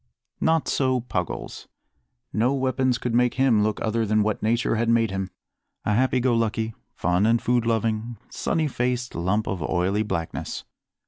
Not so Puggles. No weapons could make him look other than what nature had made him a happy go lucky, fun and food loving, sunny faced lump of oily blackness.